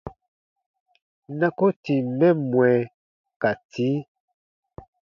Na ko tìm mɛ mwɛ ka tii.